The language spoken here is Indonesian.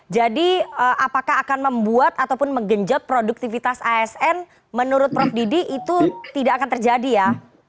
jadi apakah akan membuat ataupun menggenjap produktivitas asn menurut prof didi itu tidak akan terjadi ya